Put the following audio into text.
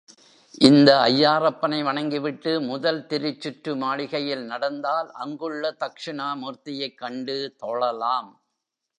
இந்த ஐயாறப்பனை வணங்கி விட்டு முதல் திருச்சுற்று மாளிகையில் நடந்தால் அங்குள்ள தக்ஷிணாமூர்த்தியைக் கண்டு தொழலாம்.